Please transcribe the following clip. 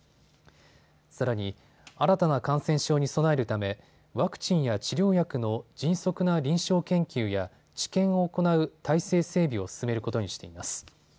さらに、新たな感染症に備えるためワクチンや治療薬の迅速な臨床研究や、治験を行う体制整備を進めることにしています。